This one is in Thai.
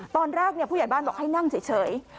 ตอนแรกผู้ใหญ่บ้านบอกให้นั่งเฉย